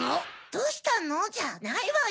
「どうしたの？」じゃないわよ！